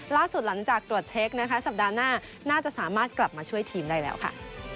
ล่าสุดหลังจากตรวจเช็คนะคะสัปดาห์หน้าน่าจะสามารถกลับมาช่วยทีมได้แล้วค่ะ